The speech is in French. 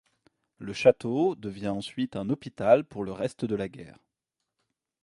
Le château devient ensuite un hôpital pour le reste de la guerre.